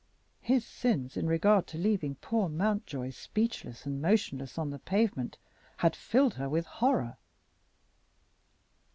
His sins in regard to leaving poor Mountjoy speechless and motionless on the pavement had filled her with horror.